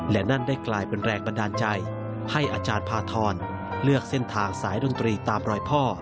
และนั่นได้กลายเป็นแรงบันดาลใจให้อาจารย์พาทรเลือกเส้นทางสายดนตรีตามรอยพ่อ